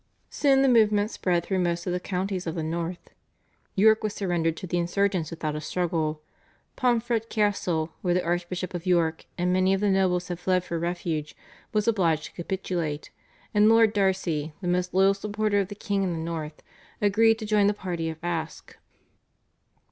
Soon the movement spread through most of the counties of the north. York was surrendered to the insurgents without a struggle. Pomfret Castle, where the Archbishop of York and many of the nobles had fled for refuge, was obliged to capitulate, and Lord Darcy, the most loyal supporter of the king in the north, agreed to join the party of Aske.